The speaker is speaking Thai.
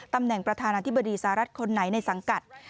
ตำแหน่งประธานาธิบดีสหรัฐคนไหนในสังกัด